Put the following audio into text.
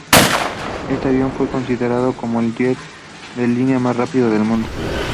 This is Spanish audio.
Este avión fue considerado como el jet de línea más rápido del mundo.